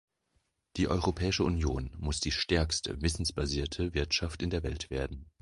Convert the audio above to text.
Die Europäische Union muss die stärkste wissensbasierte Wirtschaft in der Welt werden.